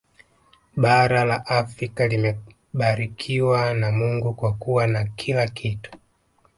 Bara la Afrika limebarikiwa na Mungu kwa kuwa na kila kitu